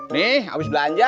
nih abis belanja